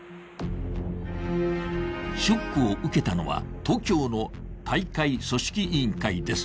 ショックを受けたのは、東京の大会組織委員会です。